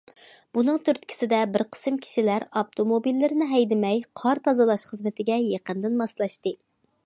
بۇنىڭ تۈرتكىسىدە بىر قىسىم كىشىلەر ئاپتوموبىللىرىنى ھەيدىمەي قار تازىلاش خىزمىتىگە يېقىندىن ماسلاشتى.